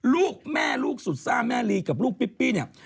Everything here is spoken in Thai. ลูกแม่ลูกสุดซ่าแม่ลีกับลูกปิ้เนี่ย